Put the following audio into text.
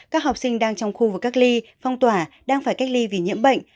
các học sinh đang trong khu vực cách ly phong tỏa đang phải cách ly vì nhiễm bệnh